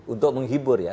untuk menghibur ya